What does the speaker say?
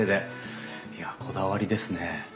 いやこだわりですね。